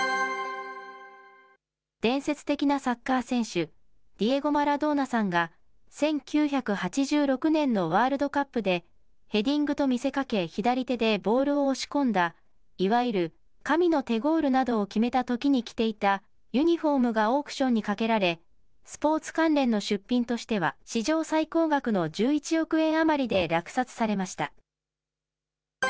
伝説的なサッカー選手、ディエゴ・マラドーナさんが、１９８６年のワールドカップでヘディングと見せかけ、左手でボールを押し込んだ、いわゆる神の手ゴールなどを決めたときに着ていた、ユニホームがオークションにかけられ、スポーツ関連の出品としては史上最高額の１１億円余りで落札されました。